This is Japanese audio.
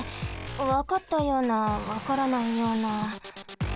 わかったようなわからないような。